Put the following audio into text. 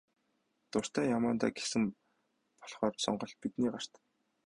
Дуртай яамандаа гэсэн болохоор сонголт бидний гарт байна.